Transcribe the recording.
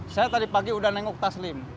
saya tadi pagi udah nengok taslim